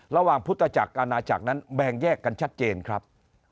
ระหว่างพุทธจักรอาณาจักรนั้นแบ่งแยกกันชัดเจนครับ